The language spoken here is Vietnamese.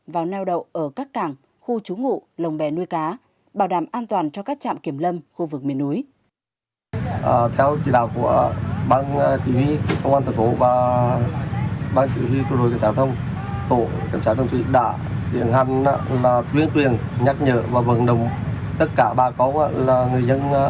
vào neo đậu ở các cảng khu trú ngụ lồng bè nuôi cá bảo đảm an toàn cho các trạm kiểm lâm khu vực miền núi